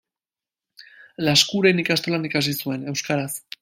Laskurain ikastolan ikasi zuen, euskaraz.